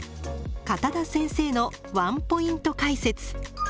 片田先生のワンポイント解説。